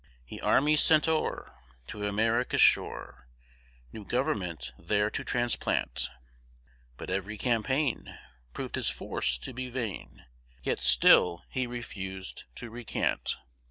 He armies sent o'er To America's shore, New government there to transplant; But every campaign Prov'd his force to be vain, Yet still he refus'd to recant.